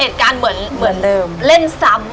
เฮจการเหมือนเล่นซ้ำเหมือนเดิม